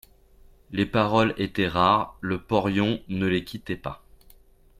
Les paroles étaient rares, le porion ne les quittait pas.